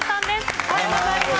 おはようございます。